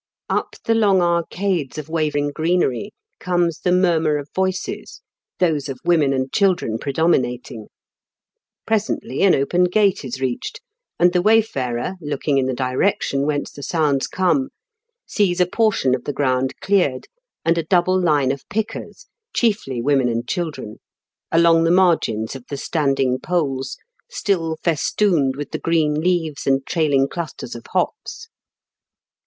Up the long arcades of waving greenery comes the murmur of voices, those of women and children predominating. Presently an open gate is reached, and the wayfarer, looking in the direction whence the sounds come, sees a portion of the ground cleared, and a double line of pickers, chiefly women and children, along the margins of the standing poles, still i 118 IN KENT WITH CHARLUa DICKENS. festooned with the green leaves and trailing clusters of hops.